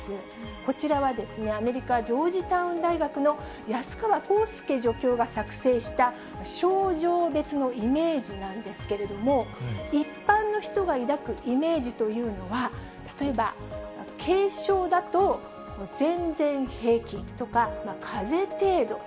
こちらはですね、アメリカ・ジョージタウン大学の安川康介助教が作成した症状別のイメージなんですけれども、一般の人が抱くイメージというのは、例えば、軽症だと全然平気とか、かぜ程度。